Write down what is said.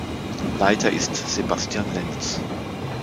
Leiter ist Sebastian Lentz.